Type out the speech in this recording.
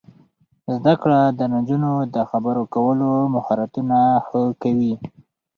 زده کړه د نجونو د خبرو کولو مهارتونه ښه کوي.